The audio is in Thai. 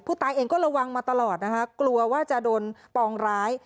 ตัวเองก็ระวังมาตลอดนะคะกลัวว่าจะโดนปองร้าย